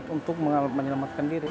untuk menyelamatkan diri